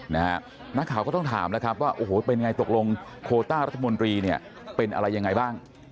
นักข่าวก็ต้องถามแล้วครับว่าโอ้โหเป็นยังไงตกลงโคต้ารัฐมนตรีเนี่ยเป็นอะไรยังไงบ้าง